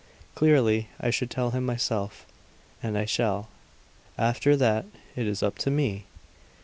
"Clearly, I should tell him myself. And I shall. After that it is up to me!"